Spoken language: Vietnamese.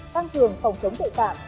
tăng thường phòng chống tội phạm